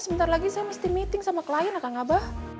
sebentar lagi saya mesti meeting sama klien ya kak ngabah